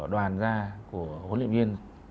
đoàn gia của huấn luyện viên